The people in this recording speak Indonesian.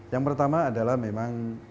yang pertama adalah memang